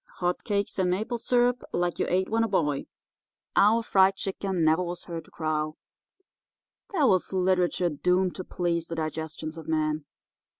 'Hot Cakes and Maple Syrup Like You Ate When a Boy,' 'Our Fried Chicken Never Was Heard to Crow'— there was literature doomed to please the digestions of man!